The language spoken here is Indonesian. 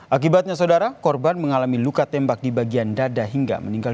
akibatnya saudara korban mengalami luka tembak di bagian dada hingga meninggal